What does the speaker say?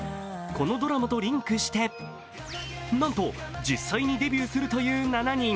このドラマとリンクして、なんと実際にデビューするという７人。